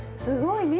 すごい！